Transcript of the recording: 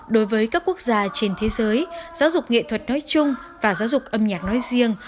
đối với các quốc gia trên thế giới giáo dục nghệ thuật nói chung và giáo dục âm nhạc nói riêng